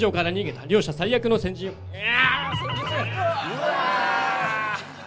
うわ。